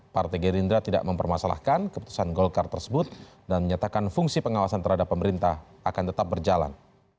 partai gerindra tidak mempermasalahkan keputusan golkar tersebut dan menyatakan fungsi pengawasan terhadap pemerintah akan tetap berjalan